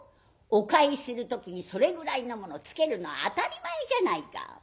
お返しする時にそれぐらいのものつけるの当たり前じゃないか。